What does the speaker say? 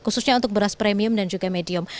khususnya untuk beras premium dan juga medium